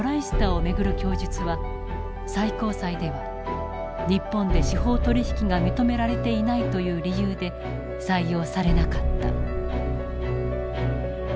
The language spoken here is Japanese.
スターを巡る供述は最高裁では日本で司法取引が認められていないという理由で採用されなかった。